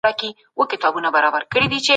آیا سني او شیعه مسلمانان مختلف تعصبات پالي؟